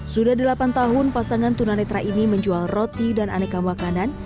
sudah delapan tahun pasangan tunanetra ini menjual roti dan aneka makanan